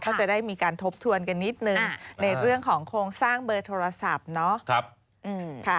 ก็จะได้มีการทบทวนกันนิดนึงในเรื่องของโครงสร้างเบอร์โทรศัพท์เนาะ